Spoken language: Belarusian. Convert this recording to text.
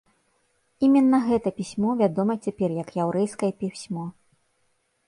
Іменна гэта пісьмо вядома цяпер як яўрэйскае пісьмо.